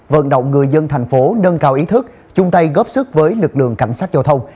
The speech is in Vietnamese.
vận động người dân thành phố nâng cao ý thức chung tay góp sức với lực lượng cảnh sát giao thông